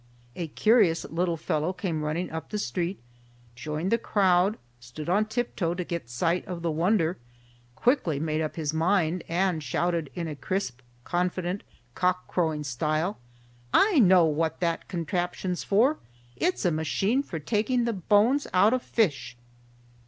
A curious little fellow came running up the street, joined the crowd, stood on tiptoe to get sight of the wonder, quickly made up his mind, and shouted in crisp, confident, cock crowing style, "I know what that contraption's for. It's a machine for taking the bones out of fish."